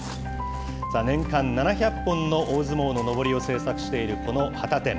年間７００本の大相撲ののぼりを制作しているこの旗店。